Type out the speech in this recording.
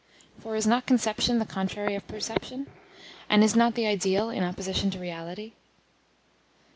For is not conception the contrary of perception? and is not the ideal in opposition to reality?